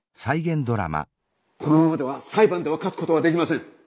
このままでは裁判では勝つことはできません。